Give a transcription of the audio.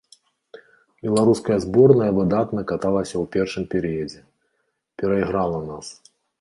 Беларуская зборная выдатна каталася ў першым перыядзе, перайграла нас.